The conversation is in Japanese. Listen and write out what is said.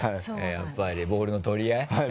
やっぱりボールの取り合い？